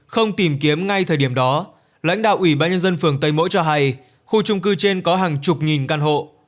không tìm kiếm ngay thời điểm đó lãnh đạo ủy ban nhân dân phường tây mỗi cho hay khu trung cư trên có hàng chục nghìn căn hộ